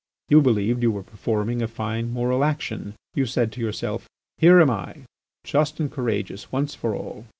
You believed you were performing a fine moral action. You said to yourself: 'Here am I, just and courageous once for all.